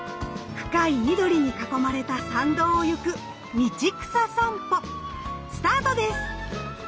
深い緑に囲まれた参道をゆく道草さんぽスタートです。